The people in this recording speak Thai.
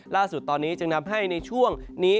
ล่าสุดตอนนี้จึงนำให้ในช่วงนี้